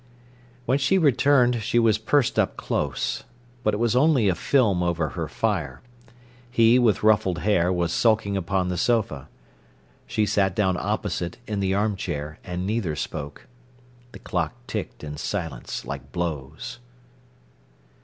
When she returned she was pursed up close. But it was only a film over her fire. He, with ruffled hair, was sulking upon the sofa. She sat down opposite, in the armchair, and neither spoke. The clock ticked in the silence like blows.